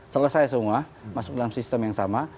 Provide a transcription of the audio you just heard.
selesai semua masuk dalam sistem yang sama